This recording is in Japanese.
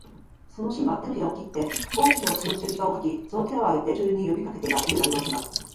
その神父は、てのひらを切って大きな血の十字架を書き、その手を上げて、群集に呼びかけていた、というじゃありませんか。